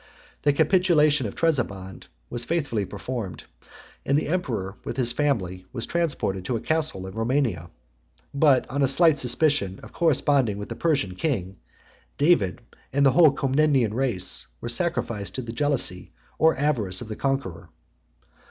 The capitulation of Trebizond was faithfully performed: 891 and the emperor, with his family, was transported to a castle in Romania; but on a slight suspicion of corresponding with the Persian king, David, and the whole Comnenian race, were sacrificed to the jealousy or avarice of the conqueror.